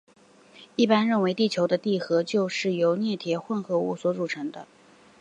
一般认为地球的地核就是由镍铁混合物所组成的。